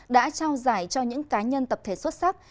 đã trao giải cho những cá nhân tập thể xuất sắc